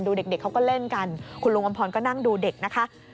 เด็กเขาก็เล่นกันคุณลุงอำพรก็นั่งดูเด็กนะคะ